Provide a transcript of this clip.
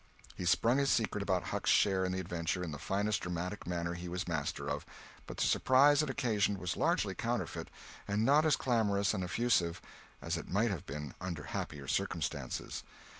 He sprung his secret about Huck's share in the adventure in the finest dramatic manner he was master of, but the surprise it occasioned was largely counterfeit and not as clamorous and effusive as it might have been under happier circumstances.